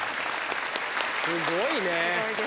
すごいね。